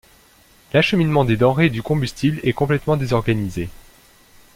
L'acheminement des denrées et du combustible est complètement désorganisé...